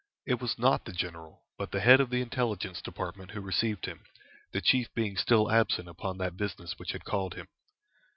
It was not the general, but the head of the Intelligence Department who received him, the chief being still absent upon that business which had called him.